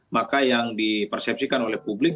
maka yang dipersepsikan oleh publik